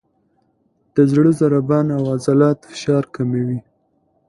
د زړه ضربان او عضلاتو فشار کموي،